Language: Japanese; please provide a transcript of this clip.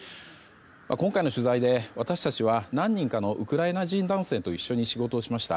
今回の取材で私たちは何人かのウクライナ人男性と一緒に仕事をしました。